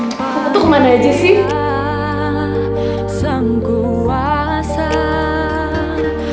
kamu tuh kemana aja sih